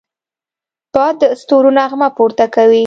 باد د ستورو نغمه پورته کوي